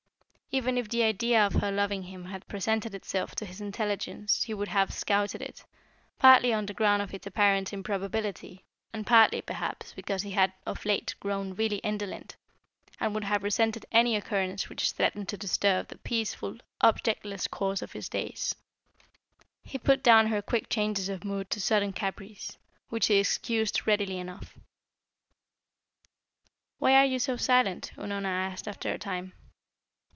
Even if the idea of her loving him had presented itself to his intelligence he would have scouted it, partly on the ground of its apparent improbability, and partly, perhaps, because he had of late grown really indolent, and would have resented any occurrence which threatened to disturb the peaceful, objectless course of his days. He put down her quick changes of mood to sudden caprice, which he excused readily enough. "Why are you so silent?" Unorna asked, after a time.